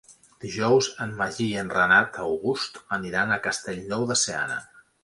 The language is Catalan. Dijous en Magí i en Renat August aniran a Castellnou de Seana.